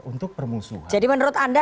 untuk bermusuhan jadi menurut anda